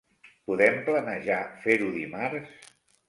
Podem planejar fer-ho dimarts?